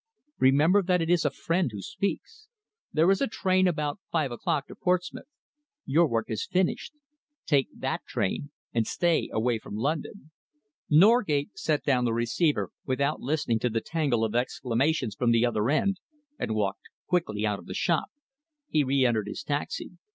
Remember that it is a friend who speaks. There is a train about five o'clock to Portsmouth. Your work is finished. Take that train and stay away from London." Norgate set down the receiver without listening to the tangle of exclamations from the other end, and walked quickly out of the shop. He re entered his taxi.